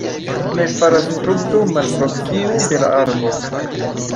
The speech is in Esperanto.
Ne falas frukto malproksime de la arbo.